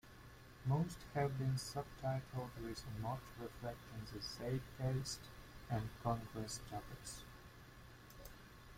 Most have been subtitled with a motto reflecting the zeitgeist and congress topics.